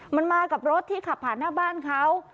มันมากับรถที่ขับผ่านหน้าบ้านเขา